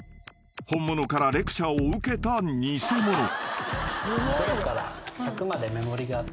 ［本物からレクチャーを受けた偽者］